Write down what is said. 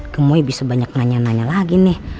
kamu bisa banyak nanya nanya lagi nih